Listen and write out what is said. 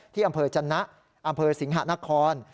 ที่อำเภอจนะอำเภอสิงหะนคร